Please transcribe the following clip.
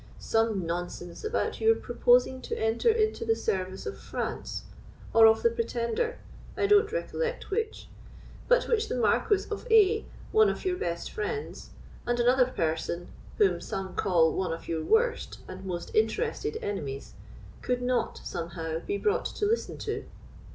Some nonsense about your proposing to enter into the service of France, or of the Pretender, I don't recollect which, but which the Marquis of A——, one of your best friends, and another person, whom some call one of your worst and most interested enemies, could not, somehow, be brought to listen to."